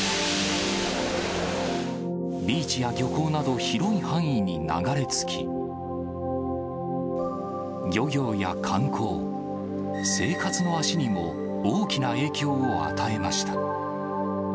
ビーチや漁港など広い範囲に流れ着き、漁業や観光、生活の足にも大きな影響を与えました。